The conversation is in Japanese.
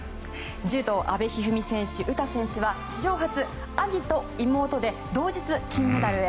柔道、阿部一二三選手、詩選手は史上初兄と妹で同日金メダルへ。